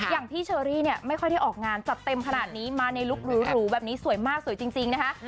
อย่างพี่เชอรี่เนี่ยไม่ค่อยได้ออกงานจัดเต็มขนาดนี้มาในลุคหรูแบบนี้สวยมากสวยจริงนะคะ